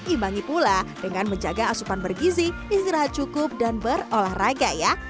imbangi pula dengan menjaga asupan bergizi istirahat cukup dan berolahraga ya